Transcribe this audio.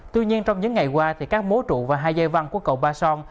tuy nhiên trong những ngày qua các mối trụ và hai dây văn của cầu ba son